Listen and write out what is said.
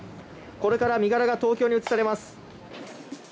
これから身柄が東京に移されます。